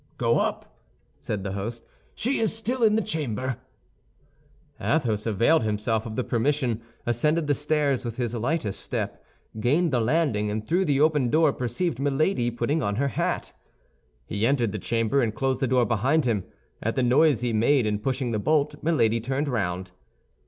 "Go up," said the host; "she is still in her chamber." Athos availed himself of the permission, ascended the stairs with his lightest step, gained the landing, and through the open door perceived Milady putting on her hat. He entered the chamber and closed the door behind him. At the noise he made in pushing the bolt, Milady turned round.